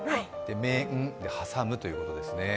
メンに挟むということですね。